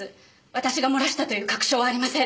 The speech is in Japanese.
私が漏らしたという確証はありません。